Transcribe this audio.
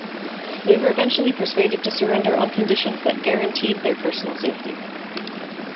They were eventually persuaded to surrender on conditions that guaranteed their personal safety.